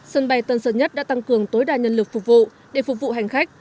sân bay tân sơn nhất đã tăng cường tối đa nhân lực phục vụ để phục vụ hành khách